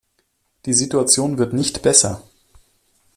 Die Situation wird nicht besser.